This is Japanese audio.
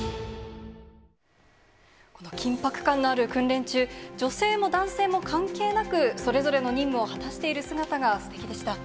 この緊迫感がある訓練中、女性も男性も関係なく、それぞれの任務を果たしている姿がすてきでした。